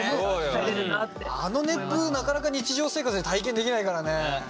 なかなか日常生活じゃ体験できないからね。